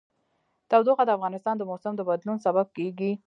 تودوخه د افغانستان د موسم د بدلون سبب کېږي.